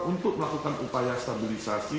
untuk melakukan upaya stabilisasi